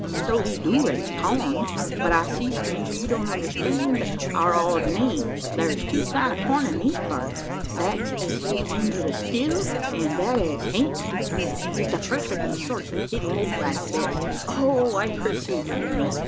"So he do raise corn; but I see, stranger, you don't understand our odd names. Thar's two kinds o' corn in these parts that as has been to the still, and that as hain't. It's the first o' these sorts that Hick Holt likes best." "Oh! I perceive your meaning.